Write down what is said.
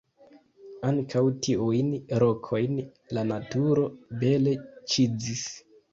Ankaŭ tiujn rokojn la naturo bele ĉizis.